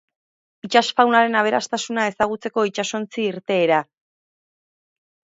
Itsas faunaren aberastasuna ezagutzeko itsasontzi-irteera.